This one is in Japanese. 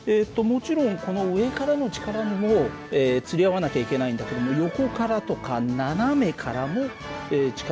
もちろんこの上からの力にもつり合わなきゃいけないんだけども横からとか斜めからも力がつり合わなきゃいけないね。